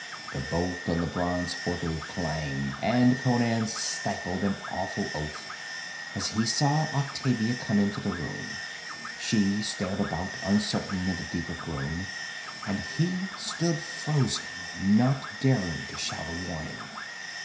The bolt on the bronze portal clanged and Conan stifled an awful oath as he saw Octavia come into the room. She stared about, uncertain in the deeper gloom, and he stood frozen, not daring to shout a warning.